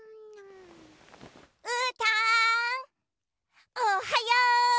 うーたんおはよう！